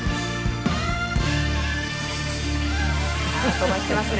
飛ばしてますね。